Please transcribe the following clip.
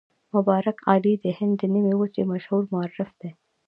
مبارک علي د هند د نیمې وچې مشهور مورخ دی.